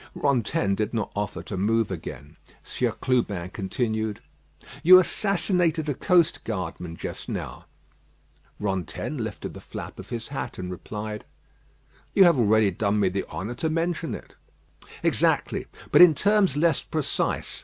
Rantaine did not offer to move again. Sieur Clubin continued: "You assassinated a coast guardman just now." Rantaine lifted the flap of his hat, and replied: "You have already done me the honour to mention it." "Exactly; but in terms less precise.